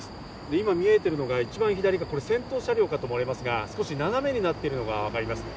今見えているのが、一番左が先頭車両かと思われますが、少し斜めになっているのが分かります。